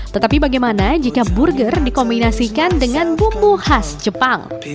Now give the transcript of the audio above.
tetapi bagaimana jika burger dikombinasikan dengan bumbu khas jepang